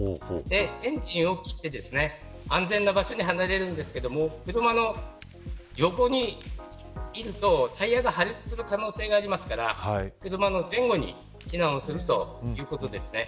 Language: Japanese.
エンジンを切って安全な場所に離れるんですけど横にいるとタイヤが破裂する可能性があるので車の前後に避難をするということです。